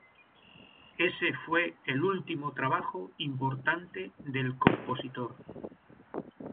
Ese fue el último trabajo importante del compositor.